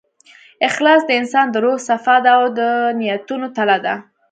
اخلاص د انسان د روح صفا ده، او د نیتونو تله ده.